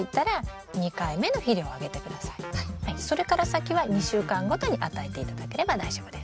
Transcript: それから先は２週間ごとに与えて頂ければ大丈夫です。